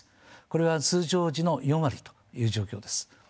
これは通常時の４割という状況です。